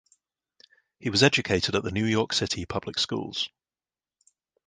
He was educated at the New York City public schools.